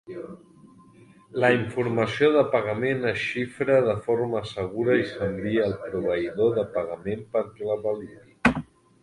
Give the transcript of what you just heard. La informació de pagament es xifra de forma segura i s'envia al proveïdor de pagament perquè la validi.